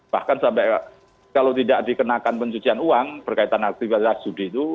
bahkan sampai kalau tidak dikenakan pencucian uang berkaitan aktivitas judi itu